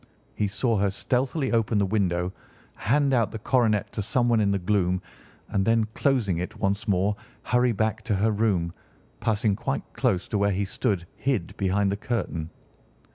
He saw her stealthily open the window, hand out the coronet to someone in the gloom, and then closing it once more hurry back to her room, passing quite close to where he stood hid behind the curtain.